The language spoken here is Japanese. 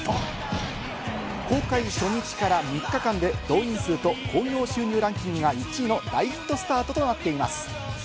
公開初日から３日間で動員数と興行収入ランキングが１位の大ヒットスタートとなっています。